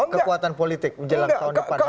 kekuatan politik menjelang tahun depan